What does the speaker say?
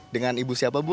dengan ibu siapa bu